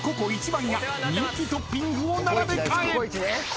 番屋人気トッピングを並べ替え］